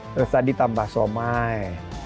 terus tadi tambah somai